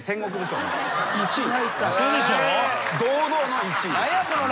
堂々の１位です。